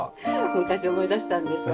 昔を思い出したんでしょ。